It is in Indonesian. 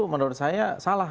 menurut saya salah